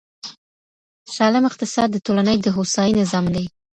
سالم اقتصاد د ټولني د هوساینې ضامن دی.